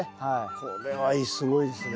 これはいいすごいですね。